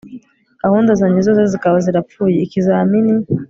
gahunda zajye zose zikaba zirapfuye ikizima ni